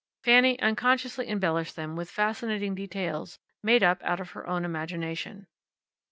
Fanny unconsciously embellished them with fascinating details made up out of her own imagination.